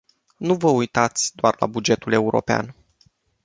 Nu vă uitați doar la bugetul european.